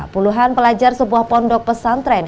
puluhan pelajar sebuah pondok pesantren